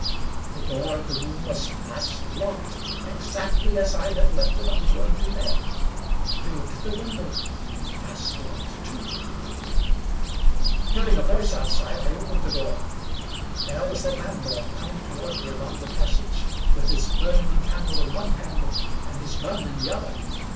The door of the room was fast locked, exactly as I had left it on going to bed! I looked at the window. Fast locked too! 232 WUkie Collins Hearing a voice outside, I opened the door. There was the landlord, coming toward me along the passage, with his burning candle in one hand, and his gun in the other.